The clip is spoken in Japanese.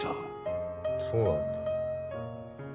そうなんだ。